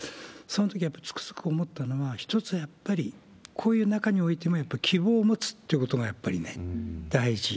そのときつくづく思ったのは、一つ、やっぱりこういう中においてもやっぱり希望を持つということが、やっぱり大事。